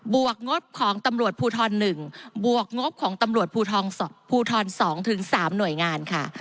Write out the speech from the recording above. วกงบของตำรวจภูทร๑บวกงบของตำรวจภูทร๒๓หน่วยงานค่ะ